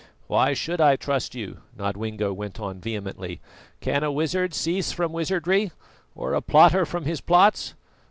"Why should I trust you?" Nodwengo went on vehemently. "Can a wizard cease from wizardry, or a plotter from his plots?